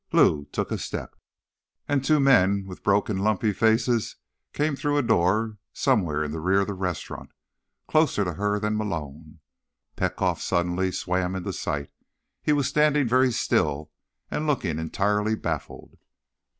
Lou took a step.... And two men with broken, lumpy faces came through a door somewhere in the rear of the restaurant, closer to her than Malone. Petkoff suddenly swam into sight; he was standing very still and looking entirely baffled.